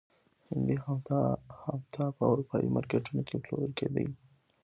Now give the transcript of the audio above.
هندي خامتا په اروپايي مارکېټونو کې پلورل کېدل.